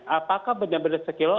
apakah benar benar sekilo